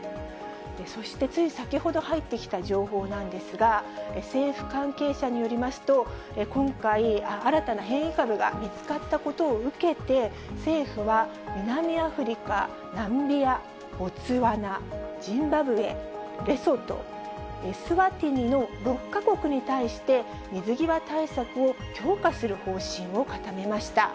そして、つい先ほど入ってきた情報なんですが、政府関係者によりますと、今回、新たな変異株が見つかったことを受けて、政府は、南アフリカ、ナミビア、ボツワナ、ジンバブエ、レソト、エスワティニの６か国に対して、水際対策を強化する方針を固めました。